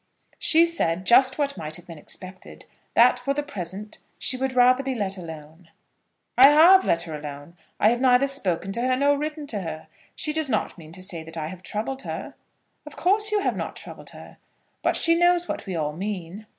"She said just what might have been expected, that for the present she would rather be let alone." "I have let her alone. I have neither spoken to her nor written to her. She does not mean to say that I have troubled her?" "Of course you have not troubled her, but she knows what we all mean."